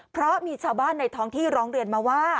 เพราะมีชาวบ้านในท้องที่ร้องเรียนมาว่า